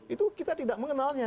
itu kita tidak mengenalnya